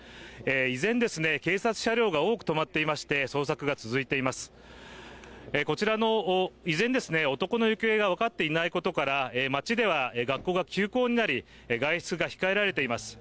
依然、警察車両が多く止まっていまして捜索が続いています、依然男の行方が分かっていないことから町では学校が休校になり、外出が控えられています。